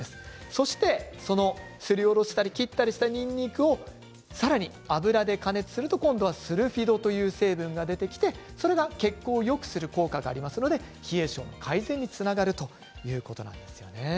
そして、すりおろしたり切ったりしたにんにくをさらに油で加熱すると今度はスルフィドという成分が出てきてそれが血行をよくする効果がありますので冷え症改善につながるということなんです。